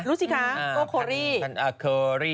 ก็รู้สิคะโก้โครี่